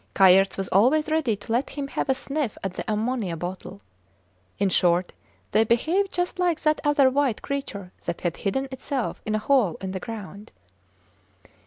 Kayerts was always ready to let him have a sniff at the ammonia bottle. In short, they behaved just like that other white creature that had hidden itself in a hole in the ground.